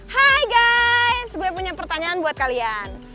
hai guys gue punya pertanyaan buat kalian